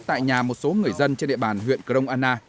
tại nhà một số người dân trên địa bàn huyện cờ rông anna